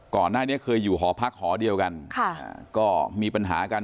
ก่อนหน้านี้เคยอยู่หอพักหอเดียวกันค่ะก็มีปัญหากัน